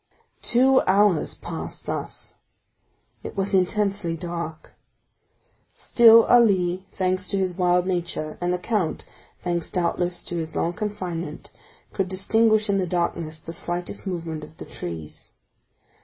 Two hours passed thus. It was intensely dark; still Ali, thanks to his wild nature, and the count, thanks doubtless to his long confinement, could distinguish in the darkness the slightest movement of the trees.